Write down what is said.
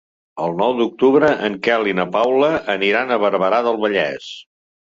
El nou d'octubre en Quel i na Paula aniran a Barberà del Vallès.